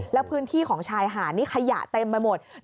แล้วพื้นที่ของชายหาดนี่ขยะเต็มไปหมด